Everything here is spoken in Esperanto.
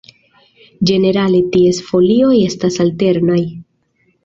Ĝenerale ties folioj estas alternaj.